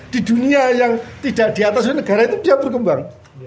di dunia yang tidak di atas negara itu dia berkembang